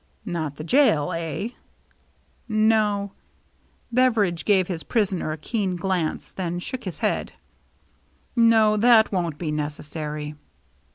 "Not the jail, eh?" " No," — Beveridge gave his prisoner a keen glance, then shook his head, —" no, that won't be necessary."